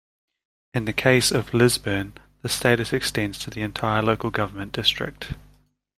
In the case of Lisburn, the status extends to the entire local government district.